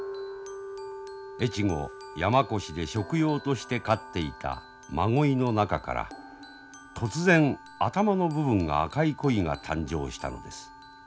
越後山古志で食用として飼っていた真鯉の中から突然頭の部分が赤い鯉が誕生したのです。